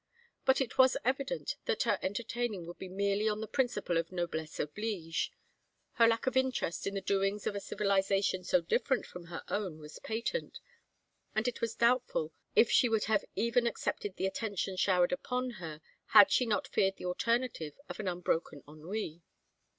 But it was evident that her entertaining would be merely on the principle of noblesse oblige; her lack of interest in the doings of a civilization so different from her own was patent, and it was doubtful if she would have even accepted the attentions showered upon her had she not feared the alternative of an unbroken ennui.